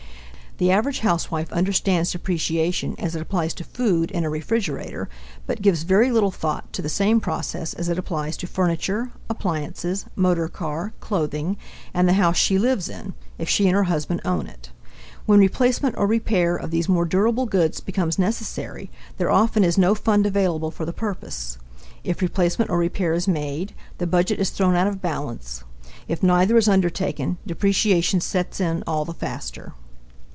The average housewife understands depreciation as it applies to food in a refrigerator, but gives very little thought to the same process as it applies to furniture, appliances, motorcar, clothing, and the house she lives in if she and her husband own it. When replacement or repair of these more durable goods becomes necessary, there often is no fund available for the purpose. If replacement or repair is made, the budget is thrown out of balance. If neither is undertaken, depreciation sets in all the faster.